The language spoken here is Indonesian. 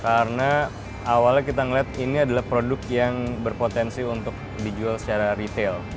karena awalnya kita melihat ini adalah produk yang berpotensi untuk dijual secara retail